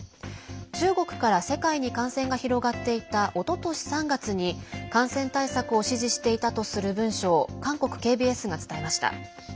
中国から世界に感染が広がっていたおととし３月に、感染対策を指示していたとする文書を韓国ＫＢＳが伝えました。